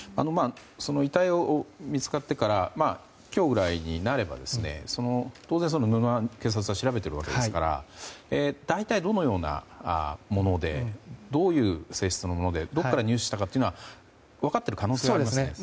遺体が見つかってから今日くらいになれば当然、布も警察は調べているわけですから大体、どのようなものでどういう性質のものでどこから入手したかは分かっている可能性ありますね。